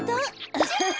アハハハ。